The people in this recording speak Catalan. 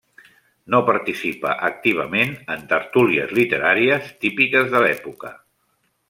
No participa activament en tertúlies literàries, típiques de l'època.